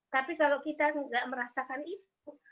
tapi kalau kita nggak merasakan itu